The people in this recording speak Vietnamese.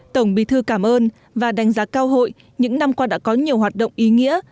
tổng bí thư cảm ơn và đánh giá cao hội những năm qua đã có nhiều hoạt động ý nghĩa